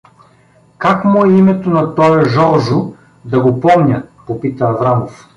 — Как му е името на тоя Жоржу, да го помня? — попита Аврамов.